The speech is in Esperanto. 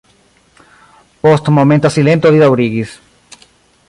Post momenta silento li daŭrigis.